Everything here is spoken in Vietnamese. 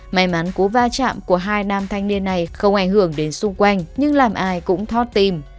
may mắn cú va chạm của hai nam thanh niên này không ảnh hưởng đến xung quanh nhưng làm ai cũng thót tìm